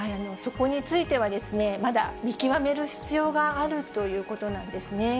そこについては、まだ見極める必要があるということなんですね。